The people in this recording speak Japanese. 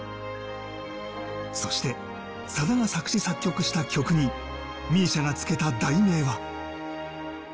そして、さだが作詞作曲した曲にＭＩＳＩＡがつけた題名は。